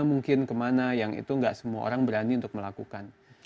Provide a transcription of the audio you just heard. mungkin kemana yang itu nggak semua orang berani untuk melakukan